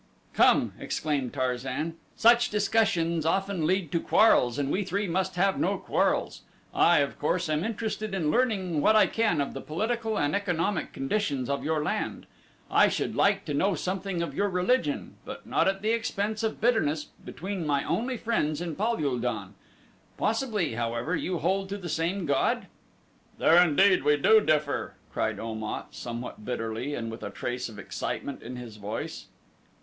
"Come!" exclaimed Tarzan; "such discussions often lead to quarrels and we three must have no quarrels. I, of course, am interested in learning what I can of the political and economic conditions of your land; I should like to know something of your religion; but not at the expense of bitterness between my only friends in Pal ul don. Possibly, however, you hold to the same god?" "There indeed we do differ," cried Om at, somewhat bitterly and with a trace of excitement in his voice.